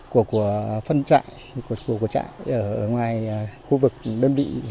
của phân trại của trại ở ngoài khu vực đơn vị ngoài riêng